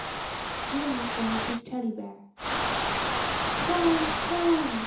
JIMMY SAVES HIS TEDDY BEAR "Clang, clang!"